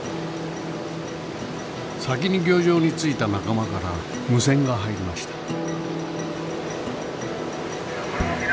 先に漁場に着いた仲間から無線が入りました。